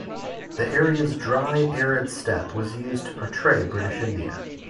The area's dry arid steppe was used to portray British India.